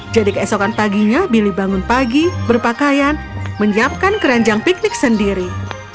jadi keesokan paginya billy bangun pagi berpakaian menyiapkan keranjang piknik sendiri